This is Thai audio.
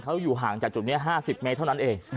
เขาอยู่ห่างจากจุดนี้๕๐เมตรเท่านั้นเอง